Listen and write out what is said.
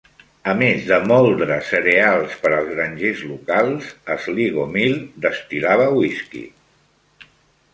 A més de moldre cereals per als grangers locals, Sligo Mill destil·lava whisky.